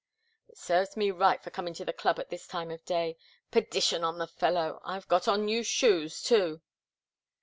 It serves me right for coming to the club at this time of day! Perdition on the fellow! I've got on new shoes, too!"